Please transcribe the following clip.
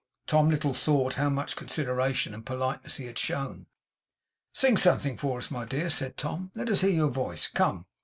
Tom little thought how much consideration and politeness he had shown! 'Sing something to us, my dear,' said Tom, 'let us hear your voice. Come!